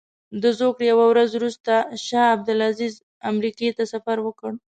د زوکړې یوه ورځ وروسته شاه عبدالعزیز امریکې ته سفر وکړ.